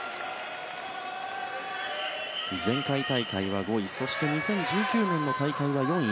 前回大会は５位そして２０１９年の大会は４位。